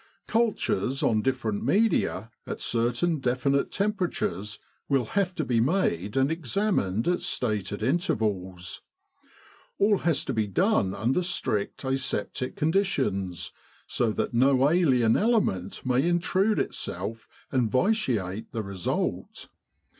Cul tures on different media, at certain definite tempera tures, will have to be made and examined at stated intervals. All has to be done under strict aseptic con ditions, so that no alien element may intrude itself and vitiate the result.